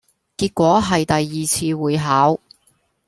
結果喺第二次會考